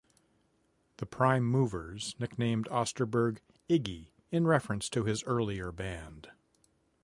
The Prime Movers nicknamed Osterberg "Iggy" in reference to his earlier band.